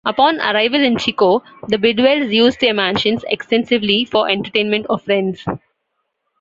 Upon arrival in Chico, the Bidwells used their mansion extensively for entertainment of friends.